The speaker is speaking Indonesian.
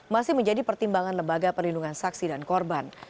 masih menjadi pertimbangan lembaga perlindungan saksi dan korban